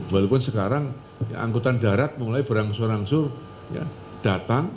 walaupun sekarang angkutan darat mulai berangsur angsur datang